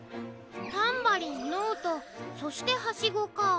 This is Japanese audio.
タンバリンノートそしてハシゴか。